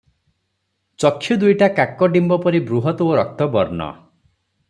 ଚକ୍ଷୁ ଦୁଇଟା କାକଡିମ୍ବ ପରି ବୃହତ୍ ଓ ରକ୍ତବର୍ଣ୍ଣ ।